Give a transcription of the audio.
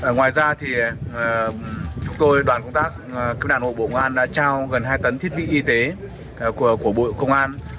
ngoài ra thì chúng tôi đoàn công tác cứu nạn hộ bộ công an đã trao gần hai tấn thiết bị y tế của bộ công an